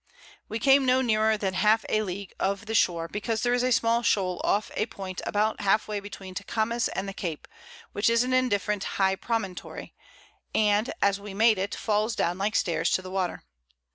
We came no nearer than half a League of the Shore, because there is a small Shole off of a Point about half way between Tecames; and the Cape, which is an indifferent high Promontory, and as we made it, falls down like Stairs to the Water.